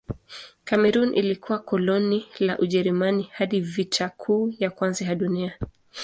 Kamerun ilikuwa koloni la Ujerumani hadi Vita Kuu ya Kwanza ya Dunia.